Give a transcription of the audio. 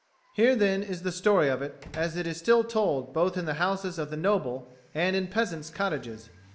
Here, then, is the story of it, as it is still told both in the houses of the noble and in peasants' cottages.